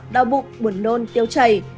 đau bụng buồn nôn tiêu chảy